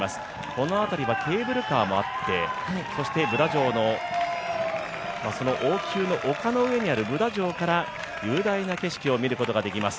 この辺りはケーブルカーもあって、そして王宮の丘の上にあるブダ城から雄大な景色を見ることができます。